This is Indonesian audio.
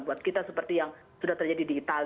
buat kita seperti yang sudah terjadi di itali